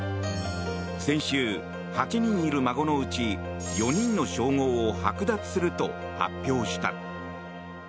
先週、８人いる孫のうち、４人の称号を剥奪すると発表した。